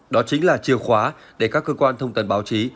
đó chính là chiều khóa để các cơ quan thông tin báo chí